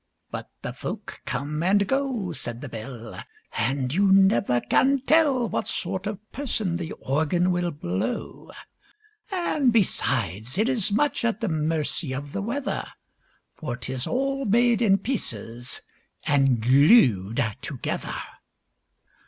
But the folk come and go, Said the Bell, And you never can tell What sort of person the Organ will blow! And, besides, it is much at the mercy of the weather For 'tis all made in pieces and glued together!